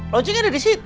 loncengnya ada di situ